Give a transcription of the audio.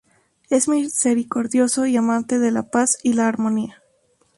Es misericordioso y amante de la paz y la armonía.